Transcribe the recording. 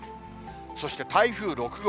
そして台風６号。